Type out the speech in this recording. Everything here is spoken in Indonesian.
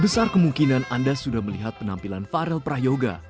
besar kemungkinan anda sudah melihat penampilan farel prayoga